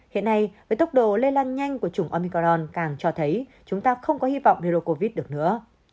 hiện nay với tốc độ lây lan nhanh của chủng omicron càng cho thấy chúng ta không có hy vọng virus covid được nữa